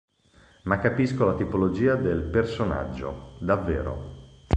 Ma capisco la tipologia del "personaggio", davvero.